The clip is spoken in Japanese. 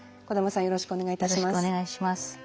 小玉さんよろしくお願いいたします。